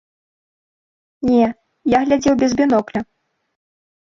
Не, я глядзеў без бінокля.